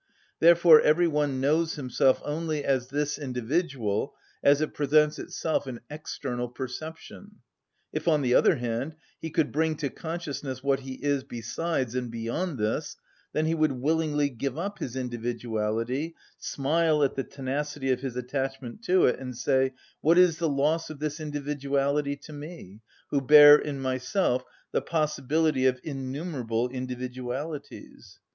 Therefore every one knows himself only as this individual as it presents itself in external perception. If, on the other hand, he could bring to consciousness what he is besides and beyond this, then he would willingly give up his individuality, smile at the tenacity of his attachment to it, and say, "What is the loss of this individuality to me, who bear in myself the possibility of innumerable individualities?"